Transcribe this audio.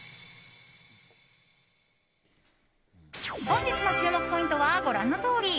本日の注目ポイントはご覧のとおり。